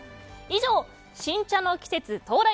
以上、新茶の季節到来！